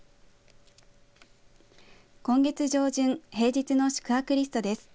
今月上旬平日の宿泊リストです。